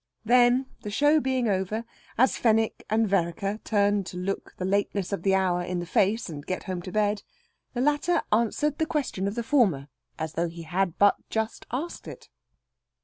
Then, the show being over, as Fenwick and Vereker turned to look the lateness of the hour in the face, and get home to bed, the latter answered the question of the former, as though he had but just asked it.